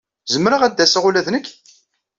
Zemreɣ ad aseɣ ula d nekk?